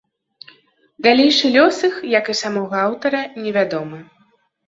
Далейшы лёс іх, як і самога аўтара, невядомы.